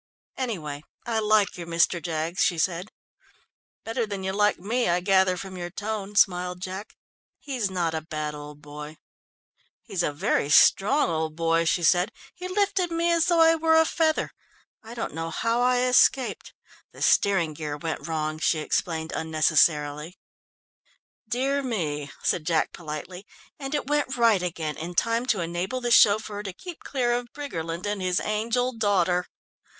"Anyway, I like your Mr. Jaggs," she said. "Better than you like me, I gather from your tone," smiled Jack. "He's not a bad old boy." "He is a very strong old boy," she said. "He lifted me as though I were a feather I don't know now how I escaped. The steering gear went wrong," she explained unnecessarily. "Dear me," said Jack politely, "and it went right again in time to enable the chauffeur to keep clear of Briggerland and his angel daughter!"